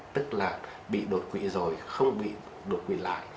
tức là bị đột quỵ rồi không bị đột quỵ lại